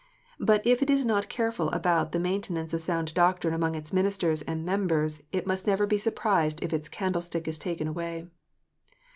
But if it is not careful about the mainten ance of sound doctrine among its ministers and members, it must never be surprised if its candlestick is taken away.